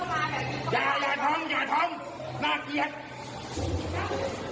น่าเกียรติคุณจะเข้ามาคุณมานั่งคุณอย่าเอาคนอื่นเข้ามา